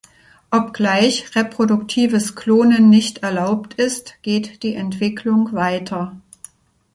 Obgleich reproduktives Klonen nicht erlaubt ist, geht die Entwicklung weiter.